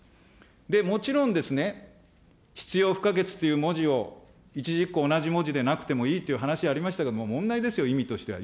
で、もちろんですね、必要不可欠という文字を、一字一句同じ文字でなくてもいいという話ありましたけれども、問題ですよ、意味としては。